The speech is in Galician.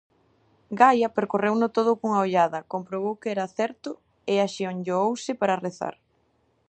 Gaia percorreuno todo cunha ollada, comprobou que era certo e axeonllouse para rezar.